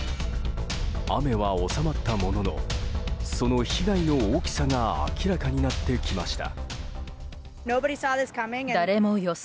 雨は収まったもののその被害の大きさが明らかになってきました。